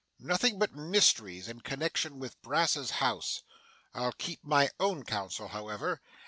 Nothing but mysteries in connection with Brass's house. I'll keep my own counsel, however.